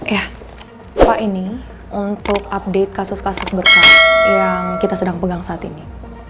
ya pak ini untuk update kasus kasus besar yang kita sedang pegang saat ini